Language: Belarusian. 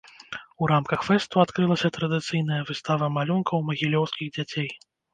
У рамках фэсту адкрылася традыцыйная выстава малюнкаў магілёўскіх дзяцей.